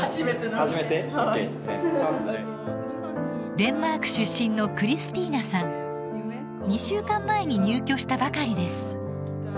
デンマーク出身の２週間前に入居したばかりです。